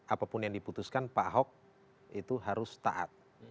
apapun yang diputuskan pak ahok itu harus taat